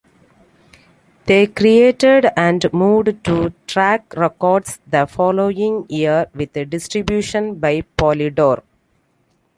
They created and moved to Track Records the following year with distribution by Polydor.